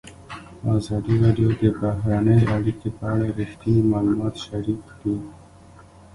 ازادي راډیو د بهرنۍ اړیکې په اړه رښتیني معلومات شریک کړي.